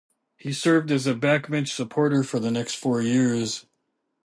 He served as a backbench supporter for the next four years.